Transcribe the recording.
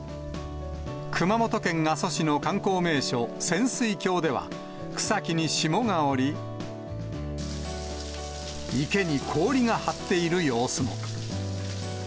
熊本県阿蘇市の観光名所、仙酔峡では、草木に霜が降り、池に氷が張っている様子も。